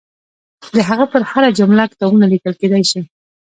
د هغه پر هره جمله کتابونه لیکل کېدلای شي.